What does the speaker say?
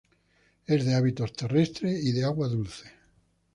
Es de hábitos terrestre y de agua dulce.